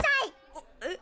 あっえっ。